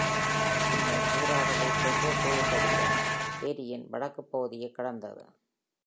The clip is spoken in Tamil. பின்னர், சூறாவளி தோஹோபேகலிகா ஏரியின் வடக்கு பகுதியைக் கடந்தது.